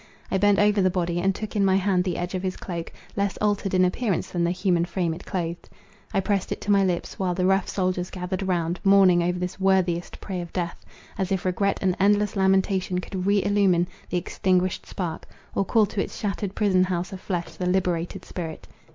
I bent over the body, and took in my hand the edge of his cloak, less altered in appearance than the human frame it clothed. I pressed it to my lips, while the rough soldiers gathered around, mourning over this worthiest prey of death, as if regret and endless lamentation could re illumine the extinguished spark, or call to its shattered prison house of flesh the liberated spirit.